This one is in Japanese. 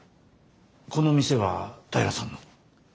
この店は平良さんの。